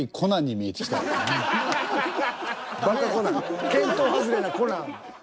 見当外れなコナン。